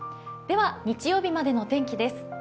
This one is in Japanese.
では日曜日までの天気です。